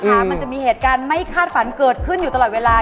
มันจะมีเหตุการณ์ไม่คาดฝันเกิดขึ้นอยู่ตลอดเวลา